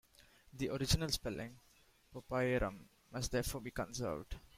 The original spelling, "popeiorum", must therefore be conserved.